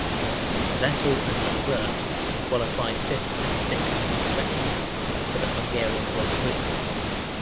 Vettel and Leclerc qualified fifth and sixth respectively for the Hungarian Grand Prix.